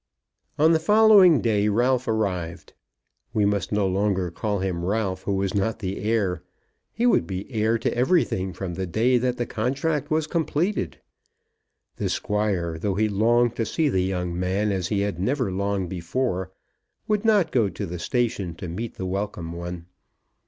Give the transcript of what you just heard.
On the following day Ralph arrived. We must no longer call him Ralph who was not the heir. He would be heir to everything from the day that the contract was completed! The Squire, though he longed to see the young man as he had never longed before, would not go to the station to meet the welcome one.